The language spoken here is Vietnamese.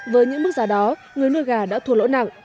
với những mức giá đó người nuôi gà đã thua lỗ nặng